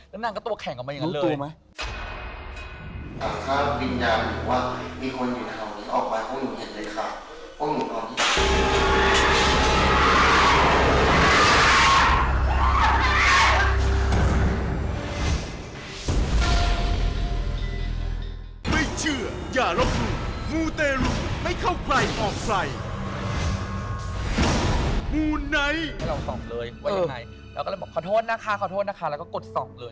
เราก็เลยบอกขอโทษนะคะแล้วก็กดสอบเลย